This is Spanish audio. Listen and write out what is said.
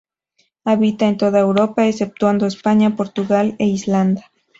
Habita en toda Europa, exceptuando España, Portugal e Islandia.